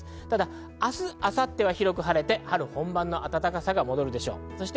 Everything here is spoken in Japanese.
ただ明日、明後日は広く晴れて、春本番の暖かさが戻るでしょう。